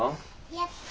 やった！